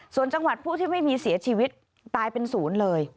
ส่วนจังหวัดผู้ที่ไม่มีเสียชีวิตตายเป็นศูนย์เลย